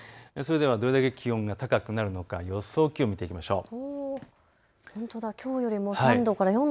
どれだけ気温が高くなるのか予想気温を見ていきましょう。